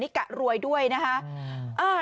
กะรวยด้วยนะคะ